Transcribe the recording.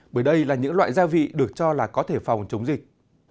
bởi đây là những loại gia vị được cho là có thể phòng chống dịch